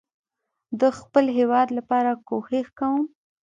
ده خپل هيواد لپاره کوښښ کوم